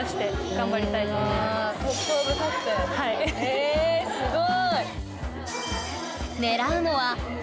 えすごい！